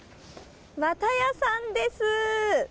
綿谷さんです。